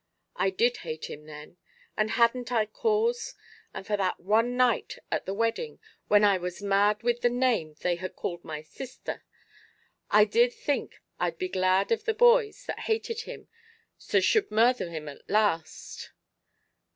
I did hate him then; and hadn't I cause? And for that one night at the wedding, when I was mad with the name they had called my sisther; I did think I'd be glad av the boys that hated him so should murther him at last.